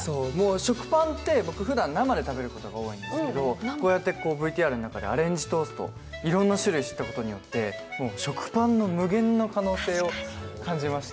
食パンって僕、ふだん生で食べることが多いんですけど、こうやってＶＴＲの中のアレンジトースト、いろんな種類を知っておくことによって食パンの無限の可能性を感じました。